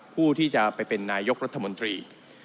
ผู้ที่จะไปเป็นนายกรัฐมนตรี